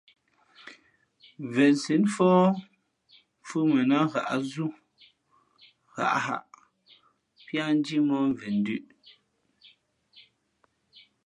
Vensǐ fóh mfhʉ̄ mα nά ghǎʼzú ghaʼghaʼ píá njímóh mvěn ndʉ̄ʼ.